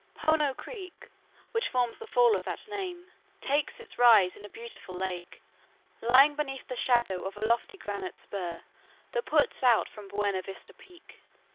Pohono Creek, which forms the fall of that name, takes its rise in a beautiful lake, lying beneath the shadow of a lofty granite spur that puts out from Buena Vista peak.